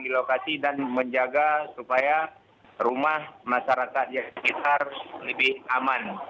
di lokasi dan menjaga supaya rumah masyarakat di sekitar lebih aman